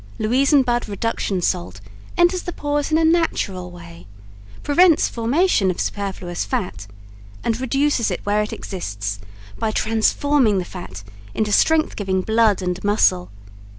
Louisenbad Reduction Salt enters the pores in a natural way, prevents formation of superfluous fat and reduces it where it exists by transforming the fat into strength giving blood and muscle.